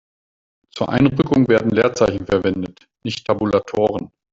Zur Einrückung werden Leerzeichen verwendet, nicht Tabulatoren.